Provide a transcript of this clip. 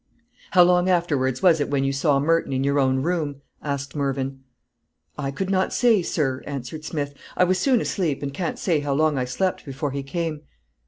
"How long afterwards was it when you saw Merton in your own room?" asked Mervyn. "I could not say, sir," answered Smith; "I was soon asleep, and can't say how long I slept before he came."